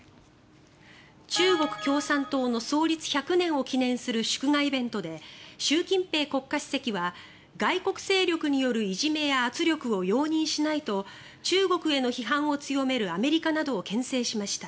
中国共産党の創立１００年を記念する祝賀イベントで習近平国家主席は外国勢力によるいじめや圧力を容認しないと中国への批判を強めるアメリカなどをけん制しました。